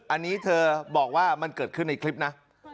อันนี้เธอบอกว่ามันเกิดขึ้นในคลิปนะ